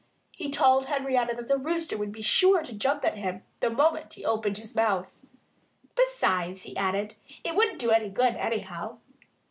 He told Henrietta that the Rooster would be sure to jump at him the moment he opened his mouth. "Besides," he added, "it wouldn't do any good, anyhow.